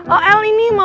oh el ini mama